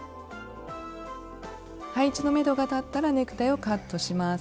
配置のめどが立ったらネクタイをカットします。